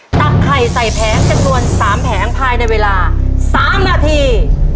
ตักไข่ใส่แผงจำนวน๓แผงภายในเวลา๓นาที